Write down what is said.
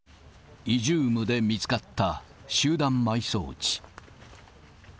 イジュームで見つかった集団埋葬地。